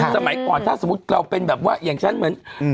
สมัยก่อนถ้าสมมุติเราเป็นแบบว่าอย่างฉันเหมือน